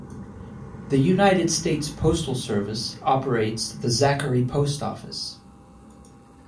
The United States Postal Service operates the Zachary Post Office.